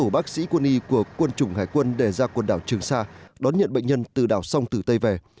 bác sĩ quân y của quân chủng hải quân đề ra quân đảo trường sa đón nhận bệnh nhân từ đảo song tử tây về